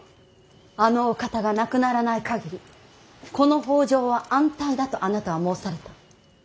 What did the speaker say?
あのお方が亡くならない限りこの北条は安泰だとあなたは申された。